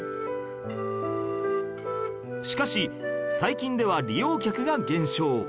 しかし最近では利用客が減少